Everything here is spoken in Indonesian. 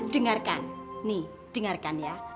dengarkan nih dengarkan ya